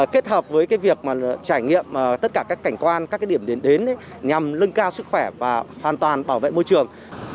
kết hợp với việc trải nghiệm tất cả các cảnh quan các điểm đến nhằm lưng cao sức khỏe và hoàn toàn bảo vệ môi trường